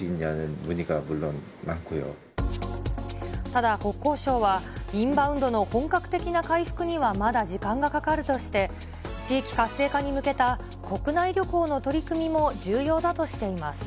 ただ、国交省はインバウンドの本格的な回復にはまだ時間がかかるとして、地域活性化に向けた国内旅行の取り組みも重要だとしています。